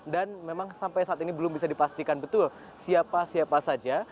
dan memang sampai saat ini belum bisa dipastikan betul siapa siapa saja